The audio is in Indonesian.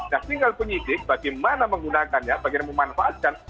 nah tinggal penyidik bagaimana menggunakannya bagaimana memanfaatkan